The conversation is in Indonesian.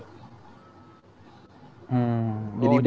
jadi brand ambassador eoph disana kayaknya